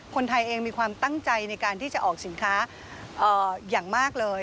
คนไทยเองมีความตั้งใจในการที่จะออกสินค้าอย่างมากเลย